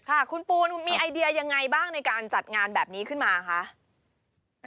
ค่ะคุณปูนมีไอเดียยังไงบ้างในการจัดงานแบบนี้ขึ้นมาคะ